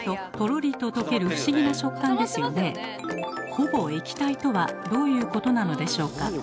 ほぼ液体とはどういうことなのでしょうか？